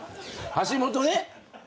橋本ね。